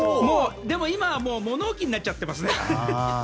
でも今は物置になっちゃっていますね。